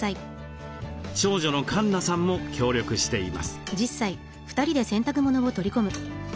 長女のかんなさんも協力しています。